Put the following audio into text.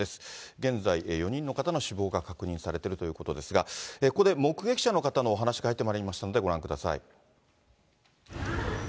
現在、４人の方の死亡が確認されているということですが、ここで目撃者の方のお話が入ってまいりましたので、ご覧ください。